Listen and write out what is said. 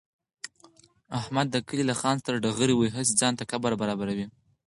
احمد د کلي له خان سره ډغره وهي، هسې ځان ته قبر کني.